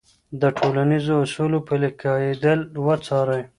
د ټولنیزو اصولو پلي کېدل وڅارئ.